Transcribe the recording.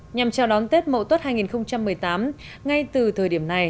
nhằm chào đón tết mậu tuất hai nghìn một mươi tám ngay từ thời điểm này